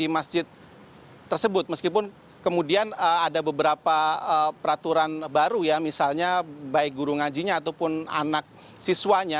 mereka juga mengaku sudah berkomunikasi